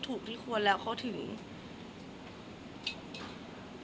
แต่ขวัญไม่สามารถสวมเขาให้แม่ขวัญได้